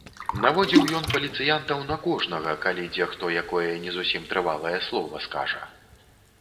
Наводзіў ён паліцыянтаў на кожнага, калі дзе хто якое не зусім трывалае слова скажа.